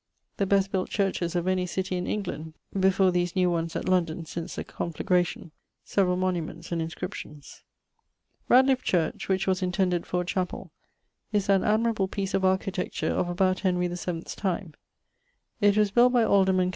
The best built churches of any city in England, before these new ones at London since the conflagration. Severall monuments and inscriptions. Ratliff church (which was intended for a chapel) is an admirable piece of architecture of about Henry VII's time. It was built by alderman